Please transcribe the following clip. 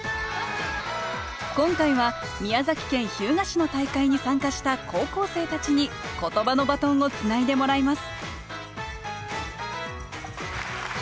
今回は宮崎県日向市の大会に参加した高校生たちにことばのバトンをつないでもらいます